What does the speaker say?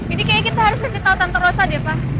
ini kayaknya kita harus kasih tau tante rosa deh pak